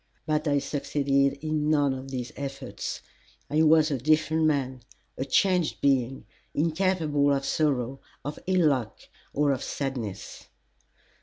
But I succeeded in none of these efforts. I was a different man, a changed being, incapable of sorrow, of ill luck, or of sadness.